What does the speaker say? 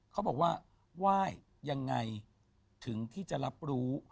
เขาบอกว่าไหว้ยังไงถึงที่จะรับรู้